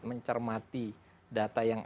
mencermati data yang